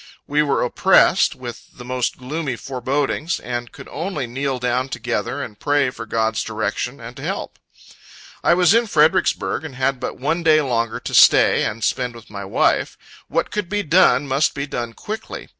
We were oppressed with the most gloomy forebodings, and could only kneel down together and pray for God's direction and help. I was in Fredericksburg, and had but one day longer to stay, and spend with my wife. What could be done, must be done quickly.